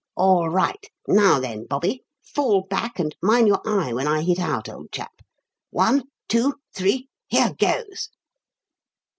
All right. Now, then, Bobby, fall back, and mind your eye when I hit out, old chap. One, two, three here goes!"